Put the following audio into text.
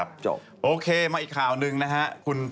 เป็นลูกวุทิ